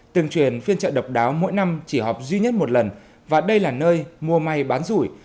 từng truyền phiên chợ độc đáo mỗi năm chỉ họp duy nhất một lần và đây là nơi mua may bán rủi